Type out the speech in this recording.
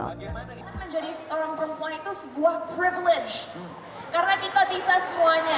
menjadi seorang perempuan itu sebuah privilege karena kita bisa semuanya